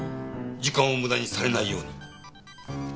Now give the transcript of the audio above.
時間を無駄にされないように。